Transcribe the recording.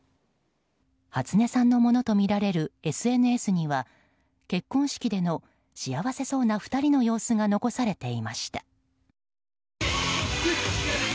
初音さんのものとみられるＳＮＳには結婚式での幸せそうな２人の様子が残されていました。